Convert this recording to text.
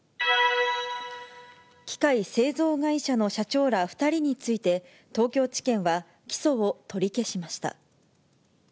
機械製造会社の社長ら２人について、東京地検は起訴を取り消しました。